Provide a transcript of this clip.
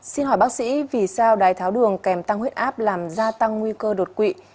xin hỏi bác sĩ vì sao đái tháo đường kèm tăng huyết áp làm gia tăng nguy cơ đột quỵ